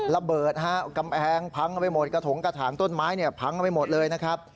ระเบิดแผงพังไปหมดกระถงกระถางต้นไม้พังไปหมดเลยนะครับ